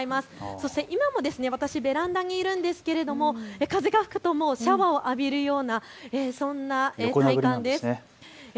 そして今も私、ベランダにいるんですが風が吹くとシャワーを浴びるようなそんな体感です。